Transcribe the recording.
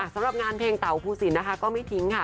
สำหรับงานเพลงเต่าภูสินนะคะก็ไม่ทิ้งค่ะ